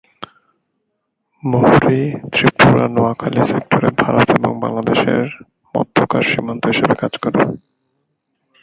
মুহুরী ত্রিপুরা-নোয়াখালী সেক্টরে ভারত এবং বাংলাদেশের মধ্যকার সীমান্ত হিসেবে কাজ করে।